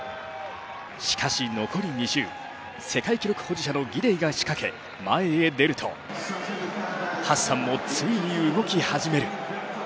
しかし、残り２周、世界記録保持者のギデイが仕掛け前へ出ると、ハッサンもついに動き始める。